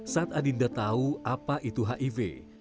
saat adinda tahu apa itu hiv